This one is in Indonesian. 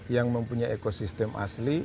yang mempunyai ekosistem asli